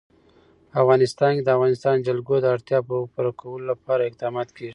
په افغانستان کې د د افغانستان جلکو د اړتیاوو پوره کولو لپاره اقدامات کېږي.